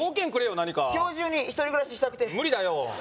何か今日中に１人暮らししたくて無理だよ